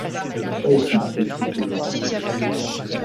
Les feuilles sont petites et ovales.